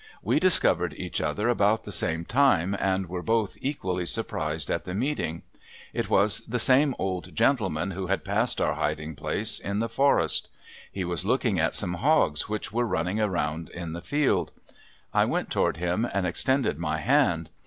We discovered each other about the same time and were both equally surprised at the meeting. It was the same old gentleman who had passed our hiding place in the forest. He was looking at some hogs which were running around in the field. I went toward him and extended my hand.